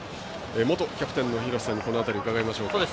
元キャプテンの廣瀬さんにこの辺りを伺います。